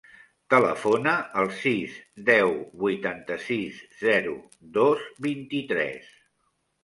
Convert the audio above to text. Telefona al sis, deu, vuitanta-sis, zero, dos, vint-i-tres.